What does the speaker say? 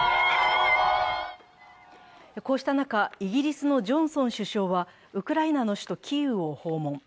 こうした中、イギリスのジョンソン首相はウクライナの首都キーウを訪問。